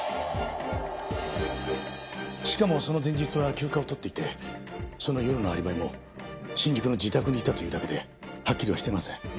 しかもその前日は休暇を取っていてその夜のアリバイも新宿の自宅にいたというだけではっきりはしてません。